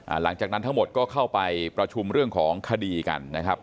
หลังจากนั้นทั้งหมดก็เข้าไปประชุมเรื่องของคดีกันนะครับ